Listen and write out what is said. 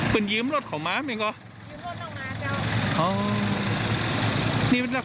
เป็นยืมรถของม้ามั๊ยเหรอ